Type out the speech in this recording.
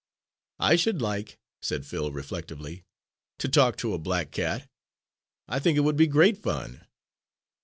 "I should like," said Phil, reflectively, "to talk to a black cat. I think it would be great fun."